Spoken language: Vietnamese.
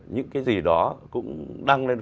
những cái gì đó cũng đăng lên